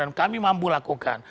dan kami mampu lakukan